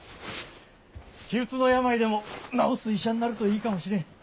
気鬱の病でも治す医者になるといいかもしれん。